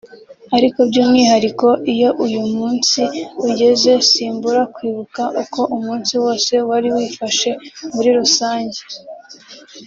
ariko by’umwihariko iyo uyu munsi ugeze simbura kwibuka uko umunsi wose wari wifashe muri rusange